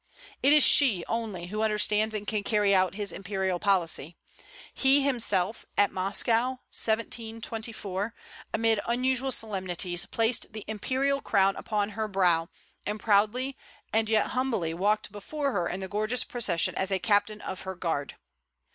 It is she only who understands and can carry out his imperial policy. He himself at Moscow, 1724, amid unusual solemnities, placed the imperial crown upon her brow, and proudly and yet humbly walked before her in the gorgeous procession as a captain of her guard.